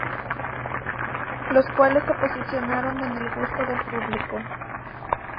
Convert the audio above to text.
Los cuales se posicionaron en el gusto del público.